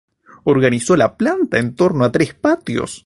Organizó la planta en torno a tres patios.